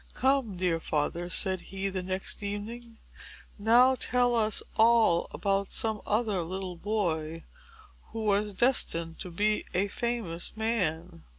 "Come, dear father," said he, the next evening, "now tell us all about some other little boy, who was destined to be a famous man."